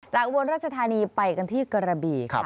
จากวันราชธานีไปกันที่กระบีค่ะ